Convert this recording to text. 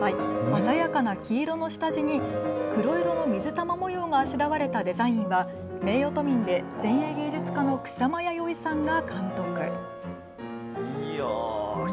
鮮やかな黄色の下地に黒色の水玉模様があしらわれたデザインは名誉都民で前衛芸術家の草間彌生さんが。